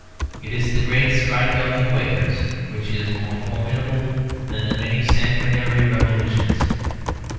It is the great strike of the Quakers which is more formidable than many sanguinary revolutions.